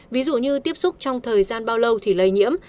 ví dụ như tiếp xúc trong thời gian bao lâu thì lây nhiễm